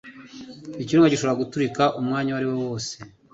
Ikirunga gishobora guturika umwanya uwariwo wose.